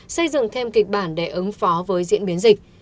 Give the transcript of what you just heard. xây dựng thêm kịch bản để ứng phó với diễn biến dịch